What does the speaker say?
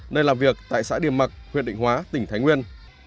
nơi làm việc tại xã điểm mặc huyện định hóa tỉnh thái nguyên